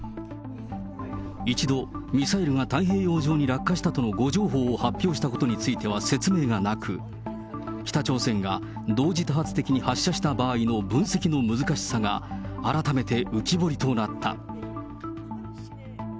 一度ミサイルが太平洋上に落下したとの誤情報を発表したことについては説明がなく、北朝鮮が同時多発的に発射した場合の分析の難しさが、改めて浮き彫りとなった。